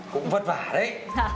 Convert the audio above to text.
cũng vất vả đấy